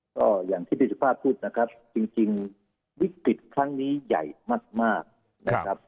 ก็อย่างที่พี่สุภาพพูดนะครับจริงวิกฤตครั้งนี้ใหญ่มากนะครับ